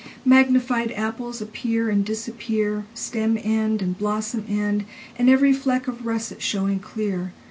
Magnified apples appear and disappear, Stem end and blossom end, And every fleck of russet showing clear.